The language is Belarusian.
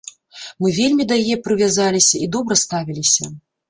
Мы вельмі да яе прывязаліся і добра ставіліся.